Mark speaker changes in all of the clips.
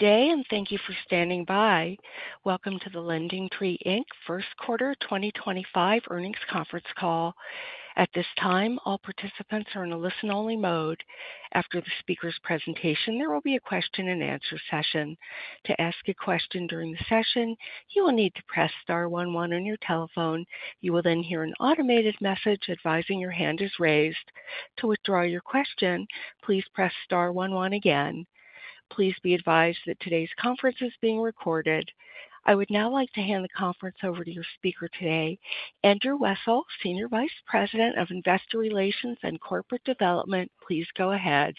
Speaker 1: Good day, and thank you for standing by. Welcome to the LendingTree First Quarter 2025 Earnings Conference Call. At this time, all participants are in a listen-only mode. After the speaker's presentation, there will be a question-and-answer session. To ask a question during the session, you will need to press star one one on your telephone. You will then hear an automated message advising your hand is raised. To withdraw your question, please press star one one again. Please be advised that today's conference is being recorded. I would now like to hand the conference over to your speaker today, Andrew Wessel, Senior Vice President of Investor Relations and Corporate Development. Please go ahead.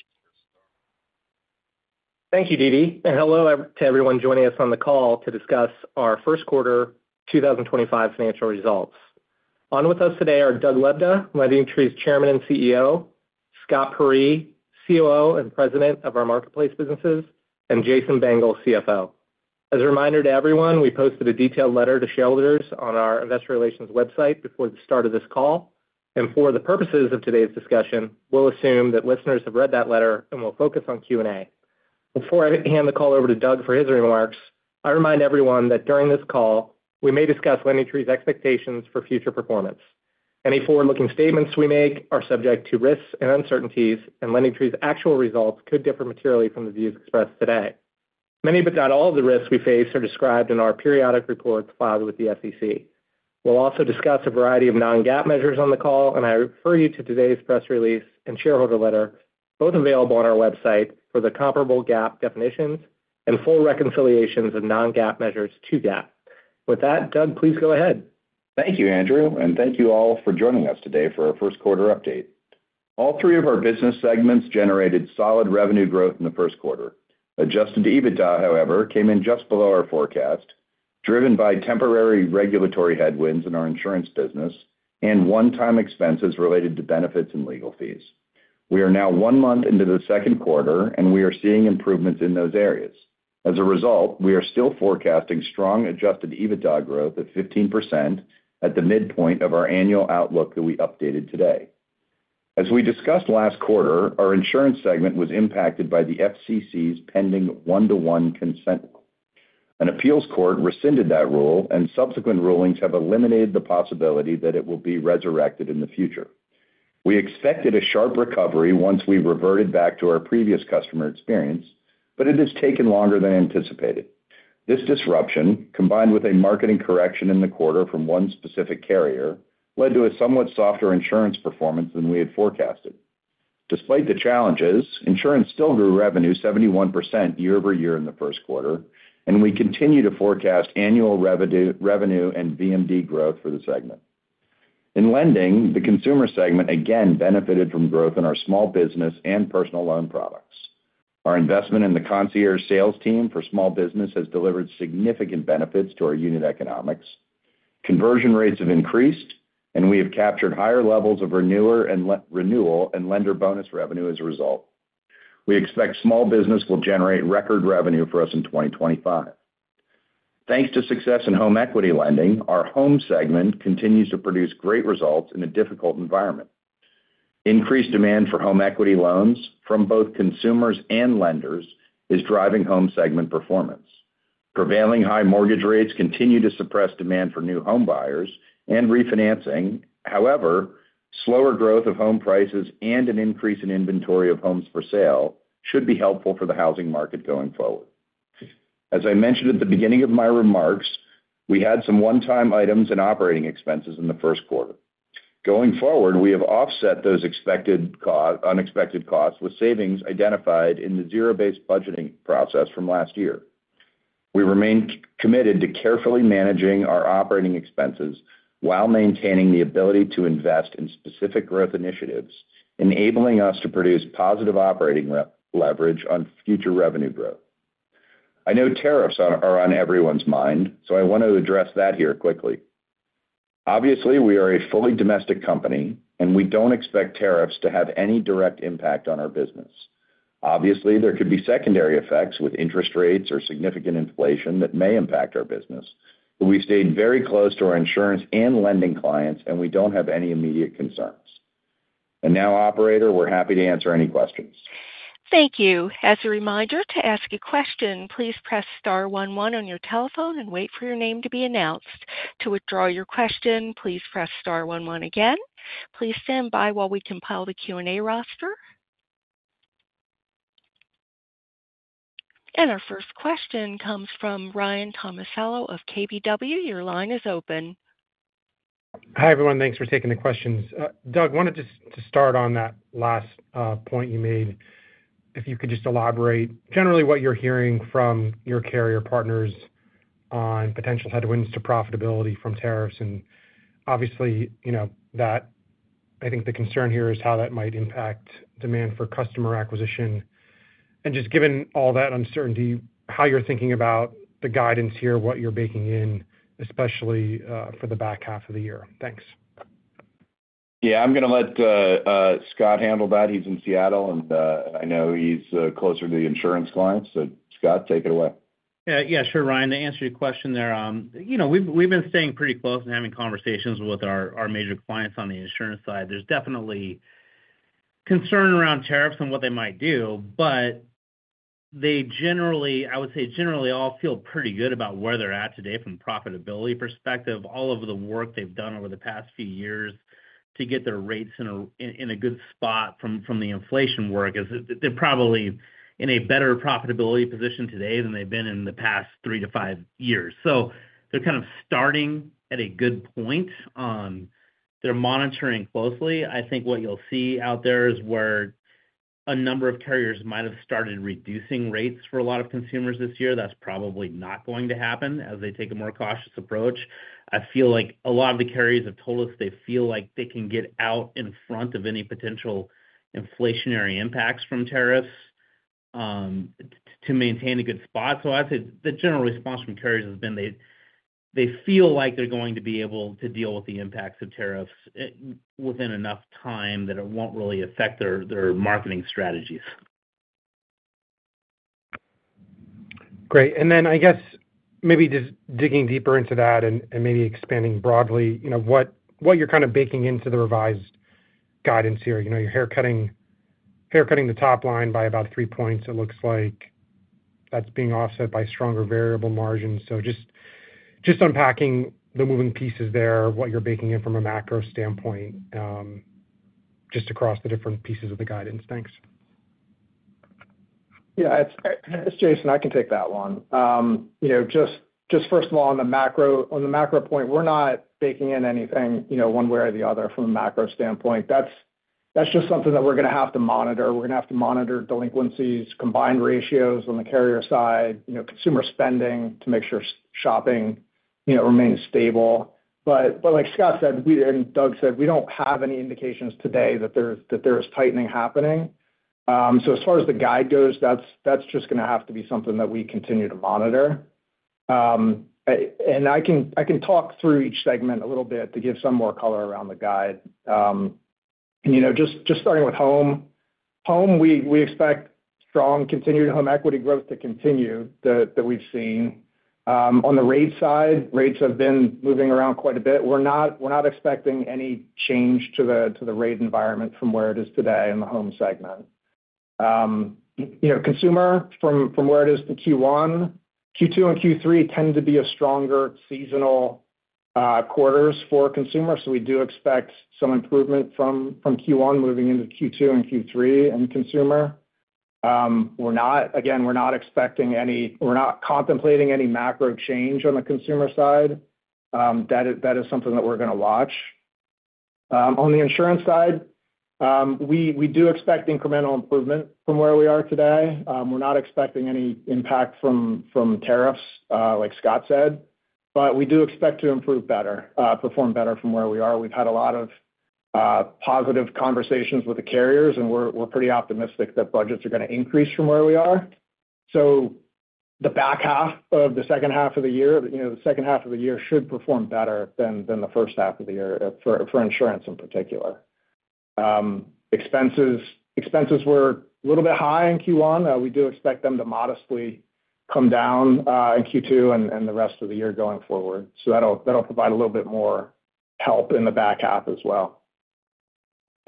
Speaker 2: Thank you, DeeDee. Hello to everyone joining us on the call to discuss our First Quarter 2025 Financial Results. On with us today are Doug Lebda, LendingTree's Chairman and CEO, Scott Peyree, COO and President of our Marketplace businesses, and Jason Bengel, CFO. As a reminder to everyone, we posted a detailed letter to shareholders on our Investor Relations website before the start of this call. For the purposes of today's discussion, we will assume that listeners have read that letter and will focus on Q&A. Before I hand the call over to Doug for his remarks, I remind everyone that during this call, we may discuss LendingTree's expectations for future performance. Any forward-looking statements we make are subject to risks and uncertainties, and LendingTree's actual results could differ materially from the views expressed today. Many but not all of the risks we face are described in our periodic reports filed with the SEC. We'll also discuss a variety of non-GAAP measures on the call, and I refer you to today's press release and shareholder letter, both available on our website for the comparable GAAP definitions and full reconciliations of non-GAAP measures to GAAP. With that, Doug, please go ahead.
Speaker 3: Thank you, Andrew. Thank you all for joining us today for our first quarter update. All three of our business segments generated solid revenue growth in the first quarter. Adjusted EBITDA, however, came in just below our forecast, driven by temporary regulatory headwinds in our insurance business and one-time expenses related to benefits and legal fees. We are now one month into the second quarter, and we are seeing improvements in those areas. As a result, we are still forecasting strong adjusted EBITDA growth at 15% at the midpoint of our annual outlook that we updated today. As we discussed last quarter, our insurance segment was impacted by the FCC's pending one-to-one consent rule. An appeals court rescinded that rule, and subsequent rulings have eliminated the possibility that it will be resurrected in the future. We expected a sharp recovery once we reverted back to our previous customer experience, but it has taken longer than anticipated. This disruption, combined with a marketing correction in the quarter from one specific carrier, led to a somewhat softer insurance performance than we had forecasted. Despite the challenges, insurance still grew revenue 71% year over year in the first quarter, and we continue to forecast annual revenue and VMD growth for the segment. In lending, the consumer segment again benefited from growth in our small business and personal loan products. Our investment in the concierge sales team for small business has delivered significant benefits to our unit economics. Conversion rates have increased, and we have captured higher levels of renewal and lender bonus revenue as a result. We expect small business will generate record revenue for us in 2025. Thanks to success in home equity lending, our home segment continues to produce great results in a difficult environment. Increased demand for home equity loans from both consumers and lenders is driving home segment performance. Prevailing high mortgage rates continue to suppress demand for new home buyers and refinancing. However, slower growth of home prices and an increase in inventory of homes for sale should be helpful for the housing market going forward. As I mentioned at the beginning of my remarks, we had some one-time items and operating expenses in the first quarter. Going forward, we have offset those unexpected costs with savings identified in the zero-based budgeting process from last year. We remain committed to carefully managing our operating expenses while maintaining the ability to invest in specific growth initiatives, enabling us to produce positive operating leverage on future revenue growth. I know tariffs are on everyone's mind, so I want to address that here quickly. Obviously, we are a fully domestic company, and we do not expect tariffs to have any direct impact on our business. Obviously, there could be secondary effects with interest rates or significant inflation that may impact our business, but we stayed very close to our insurance and lending clients, and we do not have any immediate concerns. Operator, we are happy to answer any questions.
Speaker 1: Thank you. As a reminder to ask a question, please press star one one on your telephone and wait for your name to be announced. To withdraw your question, please press star one one again. Please stand by while we compile the Q&A roster. Our first question comes from Ryan Tomasello of KBW. Your line is open.
Speaker 4: Hi everyone. Thanks for taking the questions. Doug, I wanted to start on that last point you made. If you could just elaborate generally what you're hearing from your carrier partners on potential headwinds to profitability from tariffs. Obviously, I think the concern here is how that might impact demand for customer acquisition. Just given all that uncertainty, how you're thinking about the guidance here, what you're baking in, especially for the back half of the year. Thanks.
Speaker 3: Yeah, I'm going to let Scott handle that. He's in Seattle, and I know he's closer to the insurance clients. Scott, take it away.
Speaker 5: Yeah, sure, Ryan, to answer your question there. We've been staying pretty close and having conversations with our major clients on the insurance side. There's definitely concern around tariffs and what they might do, but I would say generally all feel pretty good about where they're at today from a profitability perspective. All of the work they've done over the past few years to get their rates in a good spot from the inflation work is they're probably in a better profitability position today than they've been in the past three to five years. They are kind of starting at a good point. They're monitoring closely. I think what you'll see out there is where a number of carriers might have started reducing rates for a lot of consumers this year. That's probably not going to happen as they take a more cautious approach. I feel like a lot of the carriers have told us they feel like they can get out in front of any potential inflationary impacts from tariffs to maintain a good spot. I'd say the general response from carriers has been they feel like they're going to be able to deal with the impacts of tariffs within enough time that it won't really affect their marketing strategies.
Speaker 4: Great. I guess maybe just digging deeper into that and maybe expanding broadly, what you're kind of baking into the revised guidance here. You're haircutting the top line by about 3 points. It looks like that's being offset by stronger variable margins. Just unpacking the moving pieces there, what you're baking in from a macro standpoint, just across the different pieces of the guidance. Thanks.
Speaker 6: Yeah, it's Jason. I can take that one. First of all, on the macro point, we're not baking in anything one way or the other from a macro standpoint. That's just something that we're going to have to monitor. We're going to have to monitor delinquencies, combined ratios on the carrier side, consumer spending to make sure shopping remains stable. Like Scott said and Doug said, we don't have any indications today that there is tightening happening. As far as the guide goes, that's just going to have to be something that we continue to monitor. I can talk through each segment a little bit to give some more color around the guide. Just starting with home, we expect strong continued home equity growth to continue that we've seen. On the rate side, rates have been moving around quite a bit. We're not expecting any change to the rate environment from where it is today in the home segment. Consumer, from where it is to Q1, Q2, and Q3 tend to be stronger seasonal quarters for consumers. We do expect some improvement from Q1 moving into Q2 and Q3 in consumer. Again, we're not expecting any—we're not contemplating any macro change on the consumer side. That is something that we're going to watch. On the insurance side, we do expect incremental improvement from where we are today. We're not expecting any impact from tariffs, like Scott said, but we do expect to improve better, perform better from where we are. We've had a lot of positive conversations with the carriers, and we're pretty optimistic that budgets are going to increase from where we are. The second half of the year should perform better than the first half of the year for insurance in particular. Expenses were a little bit high in Q1. We do expect them to modestly come down in Q2 and the rest of the year going forward. That will provide a little bit more help in the back half as well.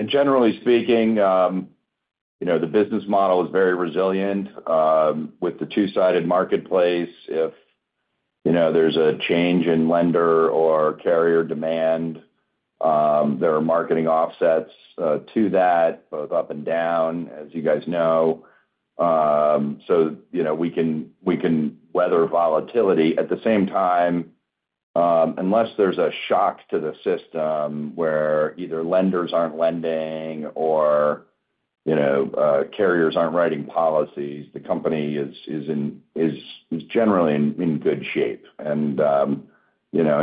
Speaker 3: Generally speaking, the business model is very resilient with the two-sided marketplace. If there is a change in lender or carrier demand, there are marketing offsets to that, both up and down, as you guys know. We can weather volatility. At the same time, unless there is a shock to the system where either lenders are not lending or carriers are not writing policies, the company is generally in good shape.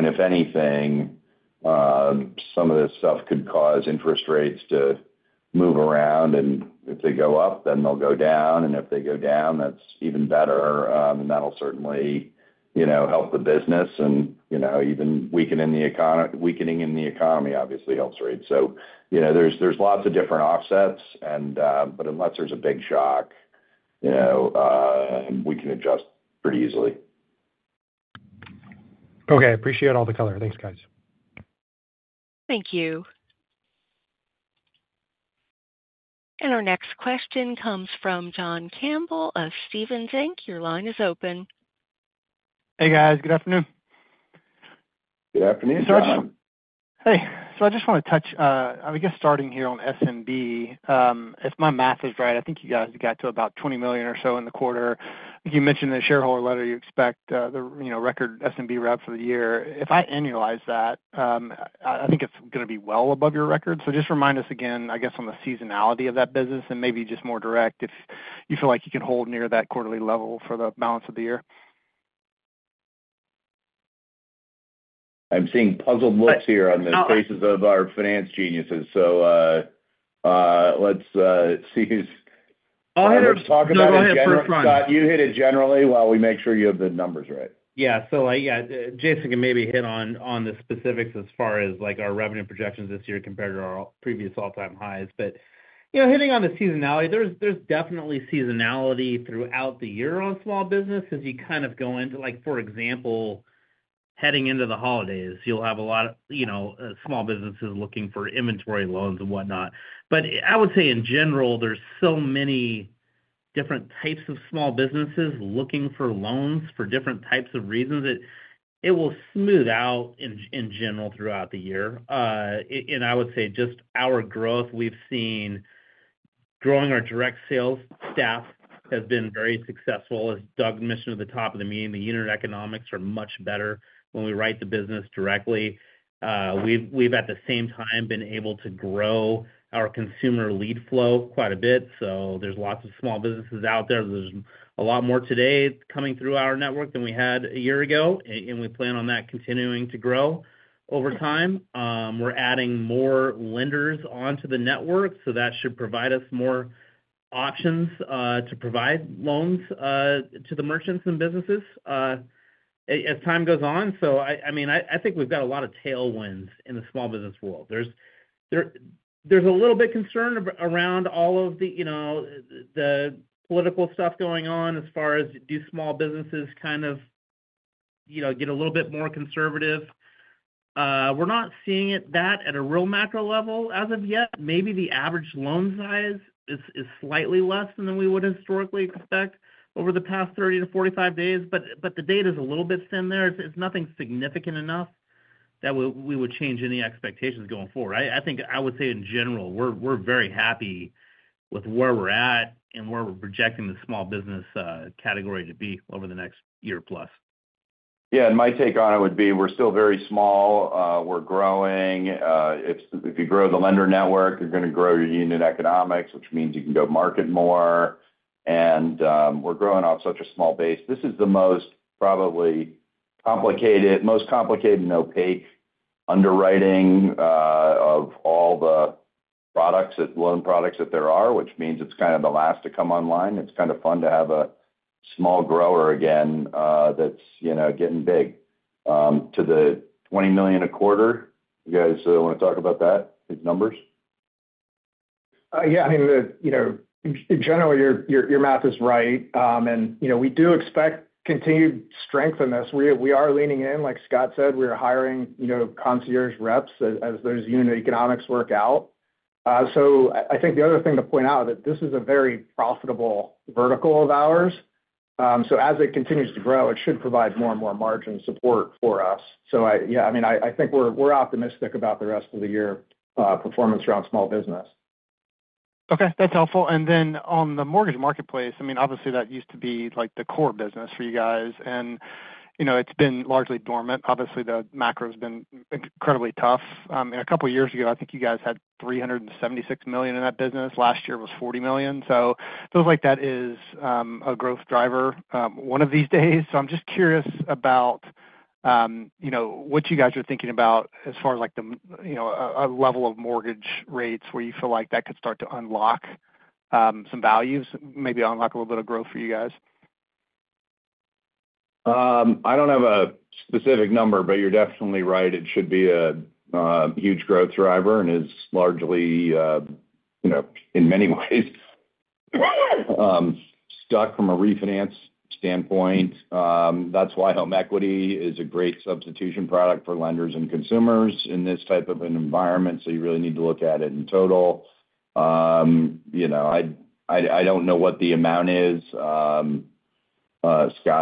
Speaker 3: If anything, some of this stuff could cause interest rates to move around. If they go up, then they will go down. If they go down, that is even better. That will certainly help the business. Even weakening in the economy obviously helps rates. There are lots of different offsets, but unless there is a big shock, we can adjust pretty easily.
Speaker 4: Okay. Appreciate all the color. Thanks, guys.
Speaker 1: Thank you. Our next question comes from John Campbell of Stephens. Your line is open.
Speaker 7: Hey, guys. Good afternoon.
Speaker 3: Good afternoon, Sergeant.
Speaker 7: Hey. I just want to touch, I guess, starting here on S&B. If my math is right, I think you guys got to about $20 million or so in the quarter. You mentioned in the shareholder letter you expect the record S&B rep for the year. If I annualize that, I think it's going to be well above your record. Just remind us again, I guess, on the seasonality of that business and maybe just more direct if you feel like you can hold near that quarterly level for the balance of the year.
Speaker 3: I'm seeing puzzled looks here on the faces of our finance geniuses. Let's see who's—oh, I heard it. You hit it generally while we make sure you have the numbers right.
Speaker 5: Yeah. Jason can maybe hit on the specifics as far as our revenue projections this year compared to our previous all-time highs. Hitting on the seasonality, there is definitely seasonality throughout the year on small business as you kind of go into—for example, heading into the holidays, you will have a lot of small businesses looking for inventory loans and whatnot. I would say in general, there are so many different types of small businesses looking for loans for different types of reasons. It will smooth out in general throughout the year. I would say just our growth, we have seen growing our direct sales staff has been very successful. As Doug mentioned at the top of the meeting, the unit economics are much better when we write the business directly. We have, at the same time, been able to grow our consumer lead flow quite a bit. There are lots of small businesses out there. There are a lot more today coming through our network than we had a year ago, and we plan on that continuing to grow over time. We are adding more lenders onto the network, so that should provide us more options to provide loans to the merchants and businesses as time goes on. I mean, I think we have a lot of tailwinds in the small business world. There is a little bit of concern around all of the political stuff going on as far as do small businesses kind of get a little bit more conservative. We are not seeing that at a real macro level as of yet. Maybe the average loan size is slightly less than we would historically expect over the past 30-45 days, but the data is a little bit thin there. It's nothing significant enough that we would change any expectations going forward. I think I would say in general, we're very happy with where we're at and where we're projecting the small business category to be over the next year plus.
Speaker 3: Yeah. My take on it would be we're still very small. We're growing. If you grow the lender network, you're going to grow your unit economics, which means you can go market more. We're growing off such a small base. This is the most probably complicated, most complicated and opaque underwriting of all the loan products that there are, which means it's kind of the last to come online. It's kind of fun to have a small grower again that's getting big. To the $20 million a quarter, you guys want to talk about that, his numbers?
Speaker 6: Yeah. I mean, in general, your math is right. We do expect continued strength in this. We are leaning in. Like Scott said, we're hiring concierge reps as those unit economics work out. I think the other thing to point out is that this is a very profitable vertical of ours. As it continues to grow, it should provide more and more margin support for us. Yeah, I mean, I think we're optimistic about the rest of the year performance around small business.
Speaker 7: Okay. That's helpful. On the mortgage marketplace, I mean, obviously, that used to be the core business for you guys. It's been largely dormant. Obviously, the macro has been incredibly tough. A couple of years ago, I think you guys had $376 million in that business. Last year was $40 million. It feels like that is a growth driver one of these days. I'm just curious about what you guys are thinking about as far as a level of mortgage rates where you feel like that could start to unlock some values, maybe unlock a little bit of growth for you guys.
Speaker 3: I don't have a specific number, but you're definitely right. It should be a huge growth driver and is largely, in many ways, stuck from a refinance standpoint. That is why home equity is a great substitution product for lenders and consumers in this type of an environment. You really need to look at it in total. I don't know what the amount is. Scott,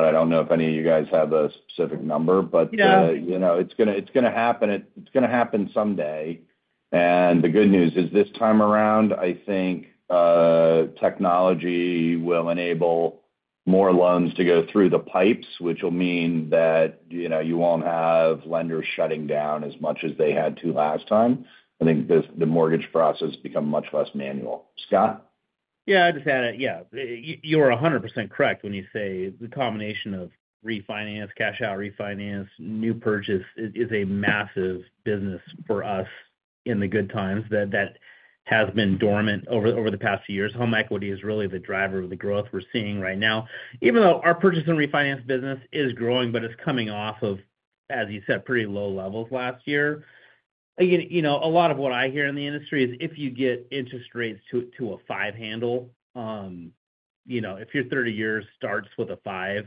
Speaker 3: I don't know if any of you guys have a specific number, but it's going to happen. It's going to happen someday. The good news is this time around, I think technology will enable more loans to go through the pipes, which will mean that you won't have lenders shutting down as much as they had to last time. I think the mortgage process has become much less manual. Scott?
Speaker 5: Yeah. I just added, yeah, you are 100% correct when you say the combination of refinance, cash-out refinance, new purchase is a massive business for us in the good times that has been dormant over the past few years. Home equity is really the driver of the growth we're seeing right now. Even though our purchase and refinance business is growing, but it's coming off of, as you said, pretty low levels last year. A lot of what I hear in the industry is if you get interest rates to a five handle, if your 30 years starts with a five,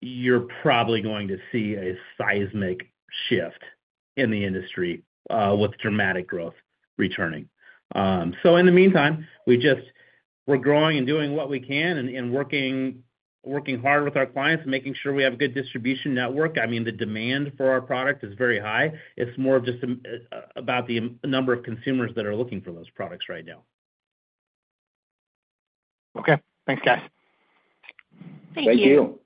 Speaker 5: you're probably going to see a seismic shift in the industry with dramatic growth returning. In the meantime, we're growing and doing what we can and working hard with our clients and making sure we have a good distribution network. I mean, the demand for our product is very high. It's more just about the number of consumers that are looking for those products right now.
Speaker 7: Okay. Thanks, guys.
Speaker 1: Thank you.
Speaker 3: Thank you.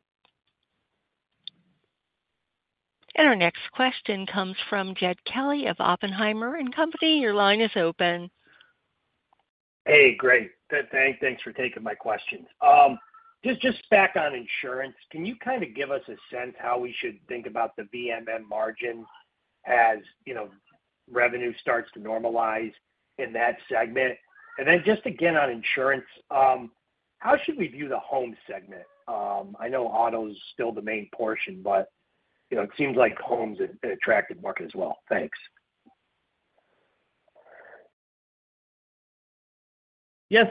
Speaker 1: Our next question comes from Jed Kelly of Oppenheimer & Company. Your line is open.
Speaker 8: Hey, great. Thanks for taking my questions. Just back on insurance, can you kind of give us a sense how we should think about the VMM margin as revenue starts to normalize in that segment? And then just again on insurance, how should we view the home segment? I know auto is still the main portion, but it seems like home is an attractive market as well. Thanks.
Speaker 5: Yes.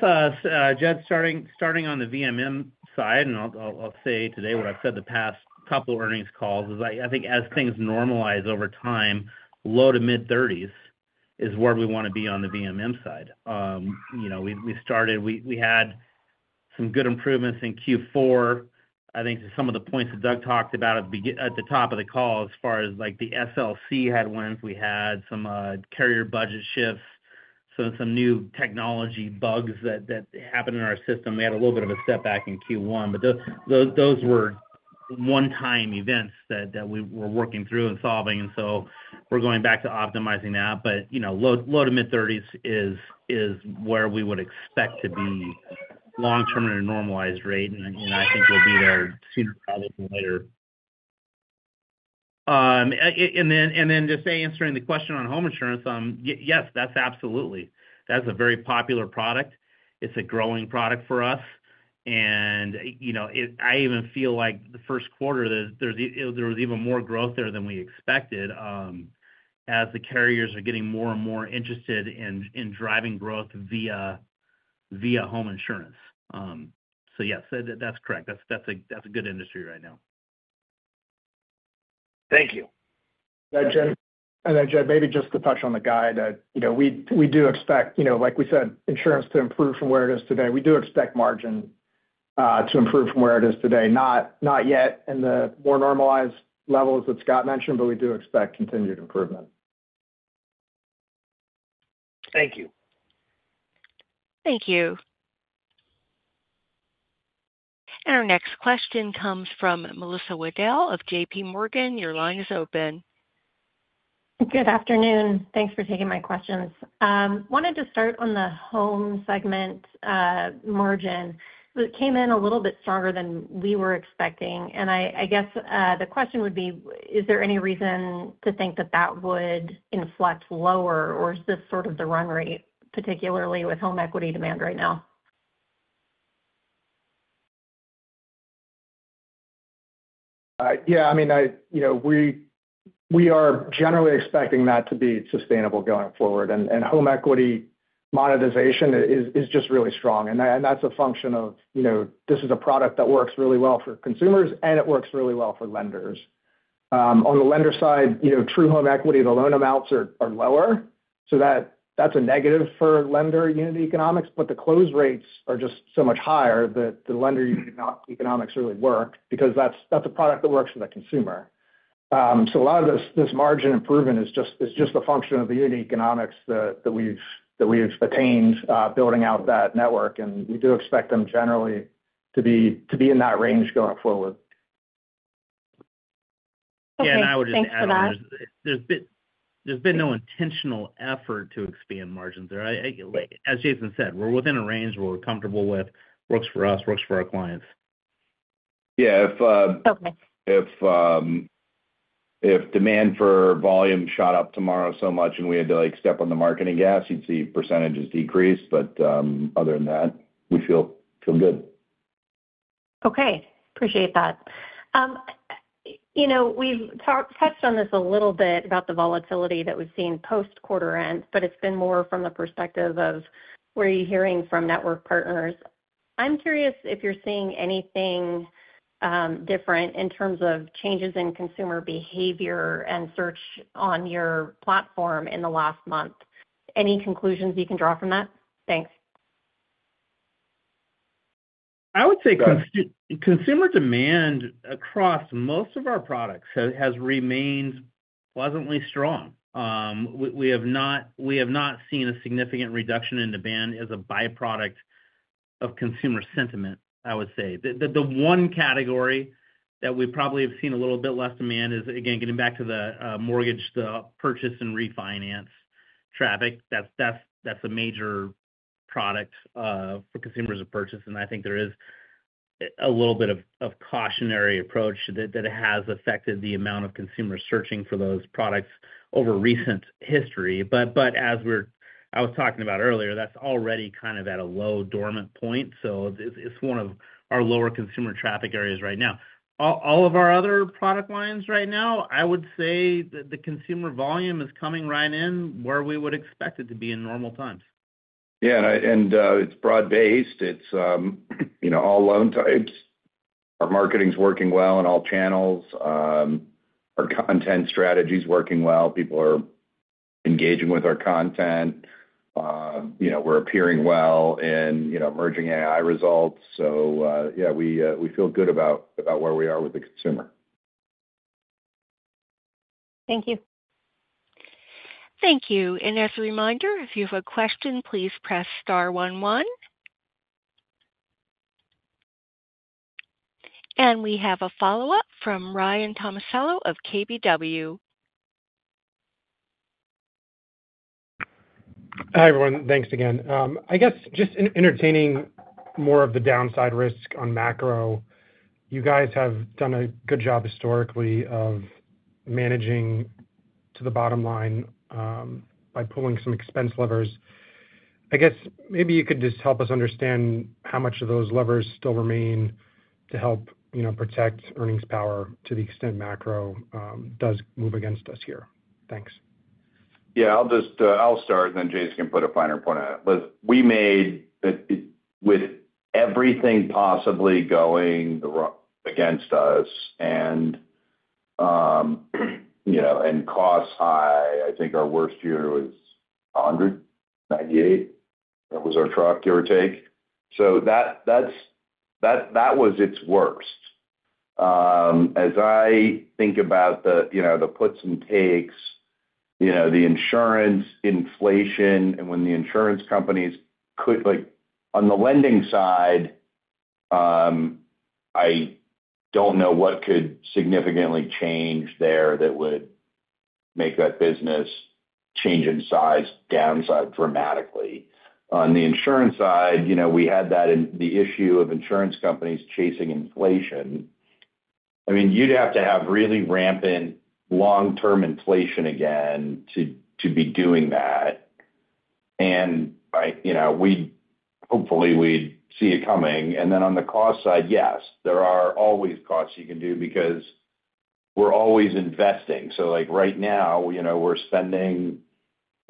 Speaker 5: Jed, starting on the VMM side, and I'll say today what I've said the past couple of earnings calls is I think as things normalize over time, low to mid-30s is where we want to be on the VMM side. We had some good improvements in Q4. I think some of the points that Doug talked about at the top of the call as far as the SLC had wins, we had some carrier budget shifts, some new technology bugs that happened in our system. We had a little bit of a setback in Q1, those were one-time events that we were working through and solving. We are going back to optimizing that. Low to mid-30s is where we would expect to be long-term at a normalized rate. I think we'll be there sooner rather than later. Just answering the question on home insurance, yes, that's absolutely. That's a very popular product. It's a growing product for us. I even feel like the first quarter, there was even more growth there than we expected as the carriers are getting more and more interested in driving growth via home insurance. Yes, that's correct. That's a good industry right now.
Speaker 8: Thank you.
Speaker 6: Thanks, Jed. Maybe just to touch on the guide, we do expect, like we said, insurance to improve from where it is today. We do expect margin to improve from where it is today, not yet in the more normalized levels that Scott mentioned, but we do expect continued improvement.
Speaker 8: Thank you.
Speaker 1: Thank you. Our next question comes from Melissa Wedel of JPMorgan. Your line is open.
Speaker 9: Good afternoon. Thanks for taking my questions. Wanted to start on the home segment margin. It came in a little bit stronger than we were expecting. I guess the question would be, is there any reason to think that that would inflect lower, or is this sort of the run rate, particularly with home equity demand right now?
Speaker 6: Yeah. I mean, we are generally expecting that to be sustainable going forward. Home equity monetization is just really strong. That is a function of this is a product that works really well for consumers, and it works really well for lenders. On the lender side, true home equity, the loan amounts are lower. That is a negative for lender unit economics. The close rates are just so much higher that the lender unit economics really work because that is a product that works for the consumer. A lot of this margin improvement is just a function of the unit economics that we have attained building out that network. We do expect them generally to be in that range going forward.
Speaker 5: Yeah. I would just add on. There's been no intentional effort to expand margins there. As Jason said, we're within a range where we're comfortable with, works for us, works for our clients.
Speaker 3: Yeah. If demand for volume shot up tomorrow so much and we had to step on the marketing gas, you'd see percentages decrease. Other than that, we feel good.
Speaker 9: Okay. Appreciate that. We've touched on this a little bit about the volatility that we've seen post-quarter end, but it's been more from the perspective of where you're hearing from network partners. I'm curious if you're seeing anything different in terms of changes in consumer behavior and search on your platform in the last month. Any conclusions you can draw from that? Thanks.
Speaker 5: I would say consumer demand across most of our products has remained pleasantly strong. We have not seen a significant reduction in demand as a byproduct of consumer sentiment, I would say. The one category that we probably have seen a little bit less demand is, again, getting back to the mortgage, the purchase and refinance traffic. That's a major product for consumers to purchase. I think there is a little bit of a cautionary approach that has affected the amount of consumers searching for those products over recent history. As I was talking about earlier, that's already kind of at a low dormant point. It is one of our lower consumer traffic areas right now. All of our other product lines right now, I would say the consumer volume is coming right in where we would expect it to be in normal times.
Speaker 3: Yeah. It is broad-based. It is all loan types. Our marketing is working well in all channels. Our content strategy is working well. People are engaging with our content. We are appearing well in emerging AI results. Yeah, we feel good about where we are with the consumer.
Speaker 9: Thank you.
Speaker 1: Thank you. As a reminder, if you have a question, please press star one one. We have a follow-up from Ryan Tomasello of KBW.
Speaker 4: Hi everyone. Thanks again. I guess just entertaining more of the downside risk on macro, you guys have done a good job historically of managing to the bottom line by pulling some expense levers. I guess maybe you could just help us understand how much of those levers still remain to help protect earnings power to the extent macro does move against us here. Thanks.
Speaker 3: Yeah. I'll start, and then Jason can put a finer point on it. We made it with everything possibly going against us and costs high. I think our worst year was $198. That was our truck, give or take. So that was its worst. As I think about the puts and takes, the insurance inflation, and when the insurance companies could on the lending side, I don't know what could significantly change there that would make that business change in size downside dramatically. On the insurance side, we had that in the issue of insurance companies chasing inflation. I mean, you'd have to have really rampant long-term inflation again to be doing that. Hopefully, we'd see it coming. On the cost side, yes, there are always costs you can do because we're always investing. Right now, we're spending,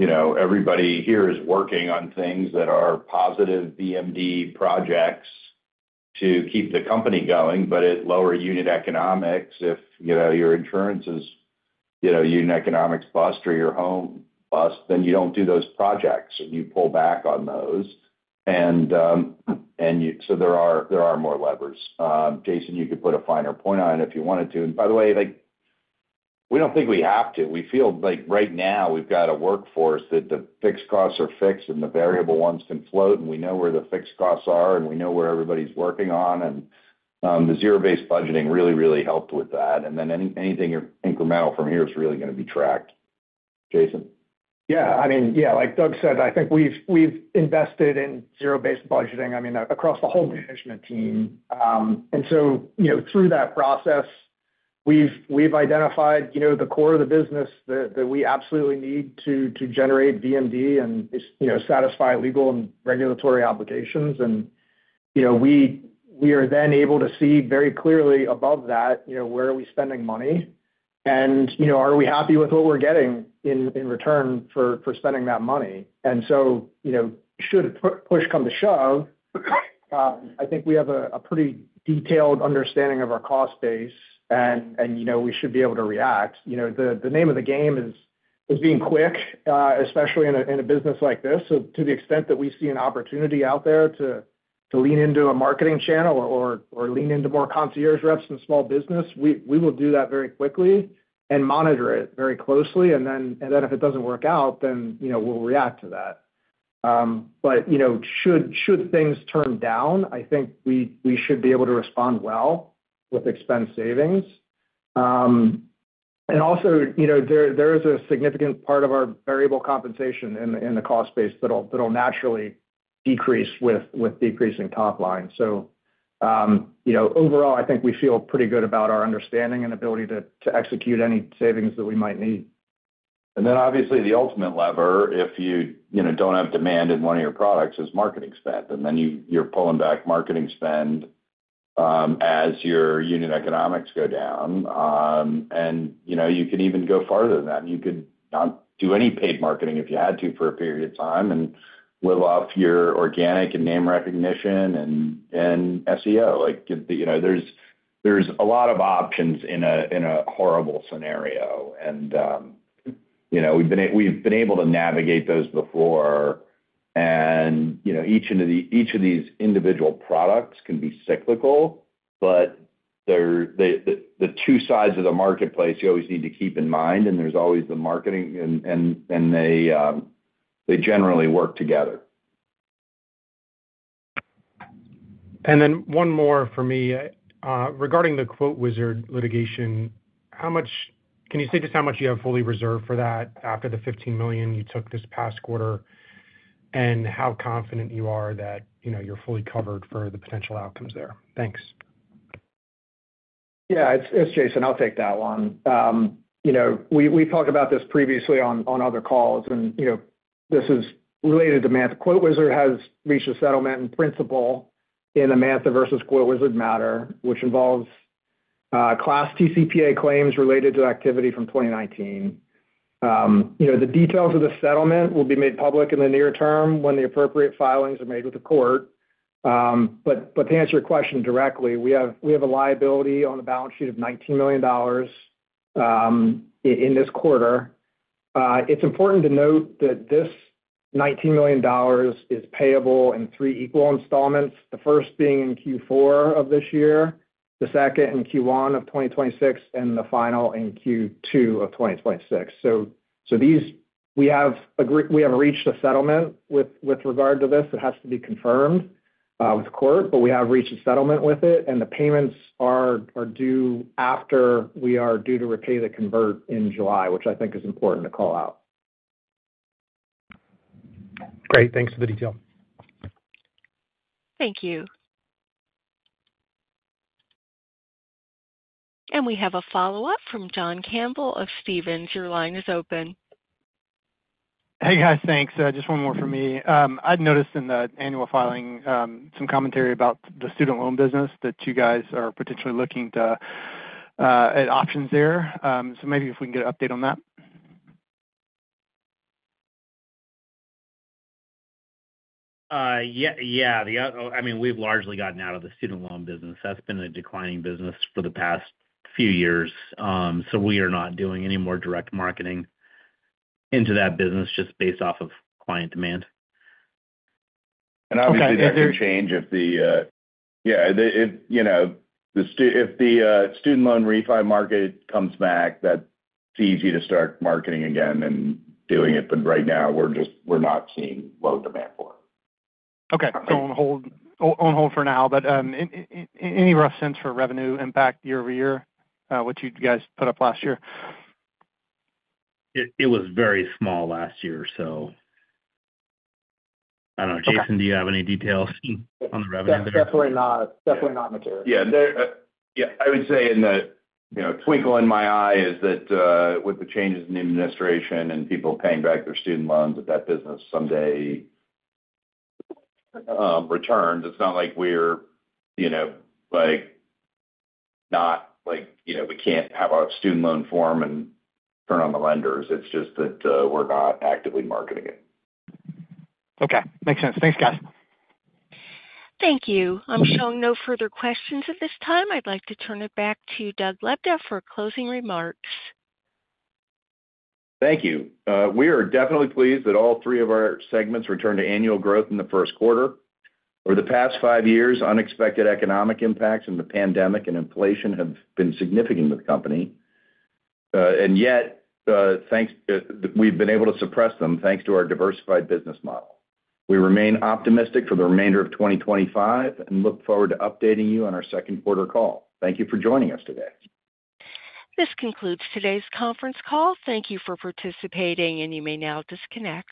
Speaker 3: everybody here is working on things that are positive VMD projects to keep the company going, but at lower unit economics. If your insurance is unit economics bust or your home bust, then you do not do those projects and you pull back on those. There are more levers. Jason, you could put a finer point on it if you wanted to. By the way, we do not think we have to. We feel like right now we have a workforce that the fixed costs are fixed and the variable ones can float, and we know where the fixed costs are and we know where everybody is working on. The zero-based budgeting really, really helped with that. Anything incremental from here is really going to be tracked. Jason.
Speaker 6: Yeah. I mean, yeah, like Doug said, I think we've invested in zero-based budgeting, I mean, across the whole management team. Through that process, we've identified the core of the business that we absolutely need to generate VMD and satisfy legal and regulatory obligations. We are then able to see very clearly above that, where are we spending money? Are we happy with what we're getting in return for spending that money? Should push come to shove, I think we have a pretty detailed understanding of our cost base, and we should be able to react. The name of the game is being quick, especially in a business like this. To the extent that we see an opportunity out there to lean into a marketing channel or lean into more concierge reps and small business, we will do that very quickly and monitor it very closely. If it does not work out, then we'll react to that. Should things turn down, I think we should be able to respond well with expense savings. Also, there is a significant part of our variable compensation in the cost base that'll naturally decrease with decreasing top line. Overall, I think we feel pretty good about our understanding and ability to execute any savings that we might need.
Speaker 3: Obviously, the ultimate lever, if you do not have demand in one of your products, is marketing spend. You are pulling back marketing spend as your unit economics go down. You can even go farther than that. You could not do any paid marketing if you had to for a period of time and live off your organic and name recognition and SEO. There are a lot of options in a horrible scenario. We have been able to navigate those before. Each of these individual products can be cyclical, but the two sides of the marketplace you always need to keep in mind. There is always the marketing, and they generally work together.
Speaker 4: One more for me. Regarding the Quote Wizard litigation, can you say just how much you have fully reserved for that after the $15 million you took this past quarter and how confident you are that you're fully covered for the potential outcomes there? Thanks.
Speaker 6: Yeah. It's Jason. I'll take that one. We've talked about this previously on other calls, and this is related to demand. Quote Wizard has reached a settlement in principle in the Manta versus Quote Wizard matter, which involves class TCPA claims related to activity from 2019. The details of the settlement will be made public in the near term when the appropriate filings are made with the court. To answer your question directly, we have a liability on the balance sheet of $19 million in this quarter. It's important to note that this $19 million is payable in three equal installments, the first being in Q4 of this year, the second in Q1 of 2026, and the final in Q2 of 2026. We have reached a settlement with regard to this. It has to be confirmed with court, but we have reached a settlement with it. The payments are due after we are due to repay the convert in July, which I think is important to call out.
Speaker 4: Great. Thanks for the detail.
Speaker 1: Thank you. We have a follow-up from John Campbell of Stephens. Your line is open.
Speaker 7: Hey, guys. Thanks. Just one more from me. I’d noticed in the annual filing some commentary about the student loan business that you guys are potentially looking at options there. Maybe if we can get an update on that.
Speaker 5: Yeah. I mean, we've largely gotten out of the student loan business. That's been a declining business for the past few years. We are not doing any more direct marketing into that business just based off of client demand.
Speaker 3: Obviously, that could change if the—yeah, if the student loan refund market comes back, that's easy to start marketing again and doing it. Right now, we're not seeing low demand for it.
Speaker 7: Okay. On hold for now. Any rough sense for revenue impact year over year, what you guys put up last year?
Speaker 5: It was very small last year, so. I don't know. Jason, do you have any details on the revenue there?
Speaker 6: Definitely not material.
Speaker 3: Yeah. I would say in the twinkle in my eye is that with the changes in the administration and people paying back their student loans, that that business someday returns. It's not like we're not—we can't have our student loan form and turn on the lenders. It's just that we're not actively marketing it.
Speaker 7: Okay. Makes sense. Thanks, guys.
Speaker 1: Thank you. I'm showing no further questions at this time. I'd like to turn it back to Doug Lebda for closing remarks.
Speaker 3: Thank you. We are definitely pleased that all three of our segments returned to annual growth in the first quarter. Over the past five years, unexpected economic impacts from the pandemic and inflation have been significant with the company. Yet, we've been able to suppress them thanks to our diversified business model. We remain optimistic for the remainder of 2025 and look forward to updating you on our second quarter call. Thank you for joining us today.
Speaker 1: This concludes Today's Conference Call. Thank you for participating, and you may now disconnect.